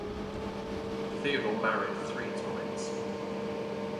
Theodore married three times.